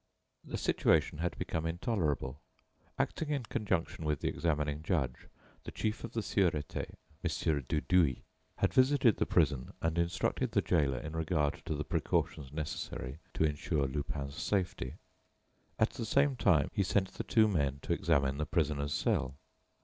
The situation had become intolerable. Acting in conjunction with the examining judge, the chief of the Sûreté, Mon. Dudouis, had visited the prison and instructed the gaoler in regard to the precautions necessary to insure Lupin's safety. At the same time, he sent the two men to examine the prisoner's cell.